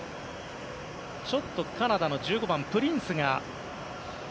ちょっとカナダの１５番、プリンスが。